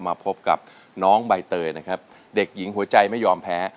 มาพบกับน้องใบเตยนะครับเด็กหญิงหัวใจไม่ยอมแพ้